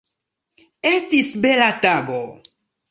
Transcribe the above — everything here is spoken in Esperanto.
Esits bela tago.